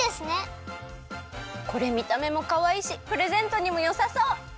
これみためもかわいいしプレゼントにもよさそう！